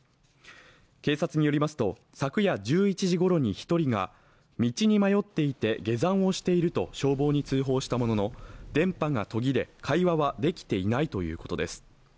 警察によりますと、昨夜１１時ごろに１人が道に迷っていて下山をしていると消防に通報したものの電波が途切れ、会話はできていないということです。